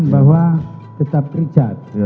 bahwa tetap ricat